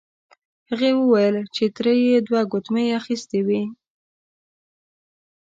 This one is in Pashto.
هغې وویل چې تره یې دوه ګوتمۍ اخیستې وې.